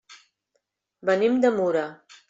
Venim de Mura.